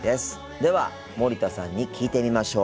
では森田さんに聞いてみましょう。